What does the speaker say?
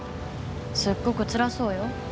すっごくつらそうよ。